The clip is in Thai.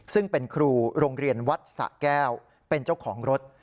ซึ่งเป็นครูโรงเรียนวัดสะแก้วเป็นเจ้าของรถ